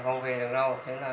xong là mình về thôi